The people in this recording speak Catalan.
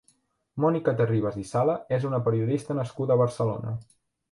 Mònica Terribas i Sala és una periodista nascuda a Barcelona.